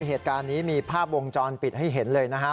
เหตุการณ์นี้มีภาพวงจรปิดให้เห็นเลยนะฮะ